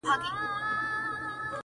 تا بندولې سرې خولۍ هغه یې زور واخیست,